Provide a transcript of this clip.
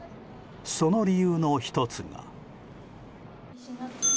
その理由の１つが。